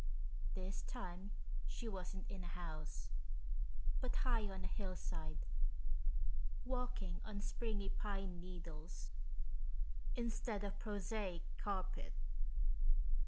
This time she wasn't in a house, but high on a hillside, walking on springy pine needles instead of prosaic carpet.